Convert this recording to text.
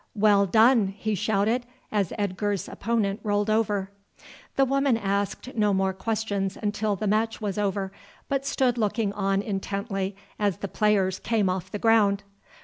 "Well done!" he shouted, as Edgar's opponent rolled over. The woman asked no more questions until the match was over, but stood looking on intently as the players came off the ground.